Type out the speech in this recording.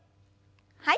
はい。